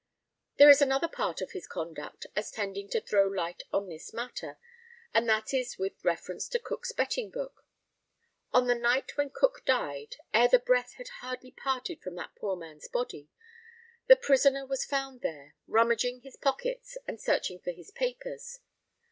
There is another part of his conduct as tending to throw light on this matter, and that is with reference to Cook's betting book. On the night when Cook died ere the breath had hardly parted from that poor man's body the prisoner was found there, rummaging his pockets, and searching for his papers.